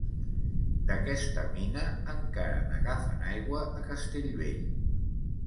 D'aquesta mina encara n'agafen aigua a Castellvell.